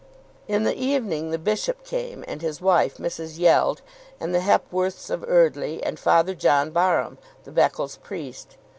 In the evening the bishop came, and his wife, Mrs. Yeld, and the Hepworths of Eardly, and Father John Barham, the Beccles priest.